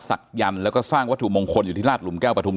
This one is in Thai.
ศักยันต์แล้วก็สร้างวัตถุมงคลอยู่ที่ราชหลุมแก้วปฐุม